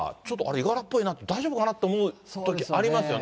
いがらっぽいな、大丈夫かなと思うときありますよね。